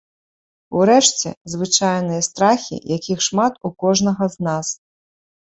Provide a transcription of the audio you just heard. Урэшце, звычайныя страхі, якіх шмат у кожнага з нас.